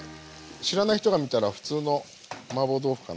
知らない人が見たら普通のマーボー豆腐かなと思いますよね。